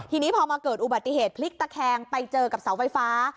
ทีนี้พอมาเกิดอุบัติเหตุพลิกตะแคงไปเจอกับเสาไฟฟ้า